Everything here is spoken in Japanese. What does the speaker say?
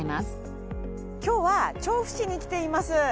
今日は調布市に来ています。